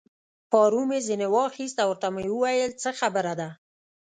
پارو مې ځینې واخیست او ورته مې وویل: څه خبره ده؟